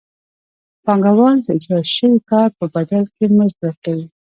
پانګوال د اجراء شوي کار په بدل کې مزد ورکوي